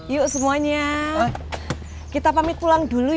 yuk semuanya kita pamit pulang dulu ya